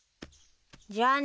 じゃあね。